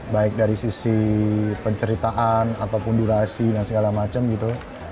baik dari sisi penceritaan ataupun durasi dan segala macam gitu